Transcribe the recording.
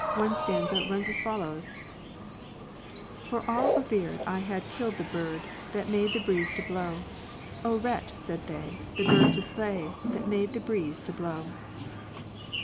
One stanza runs as follows: For all averred I had killed the bird That made the breeze to blow. Oh, wretch! said they, the bird to slay That made the breeze to blow.